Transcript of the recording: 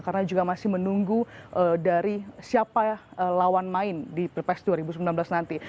karena juga masih menunggu dari siapa lawan main di pilpres dua ribu sembilan belas nanti